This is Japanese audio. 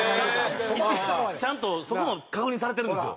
ちゃんとそこも確認されてるんですよ。